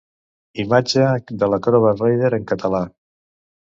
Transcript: Imatge de l'Acrobat Reader en català.